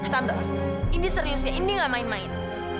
tante indi serius ya indi nggak main main